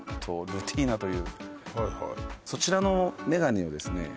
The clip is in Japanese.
ルティーナというそちらのメガネをですね